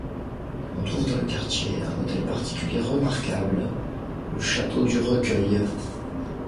On trouve dans le quartier un hôtel particulier remarquable, le château du Recueil.